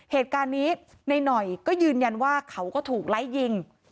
เหตุการณ์นี้ในหน่อยก็ยืนยันว่าเขาก็ถูกไล่ยิง